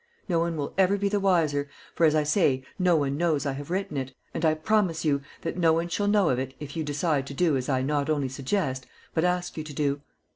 No one will ever be the wiser, for, as I say, no one knows I have written it, and I promise you that no one shall know of it if you decide to do as I not only suggest but ask you to do.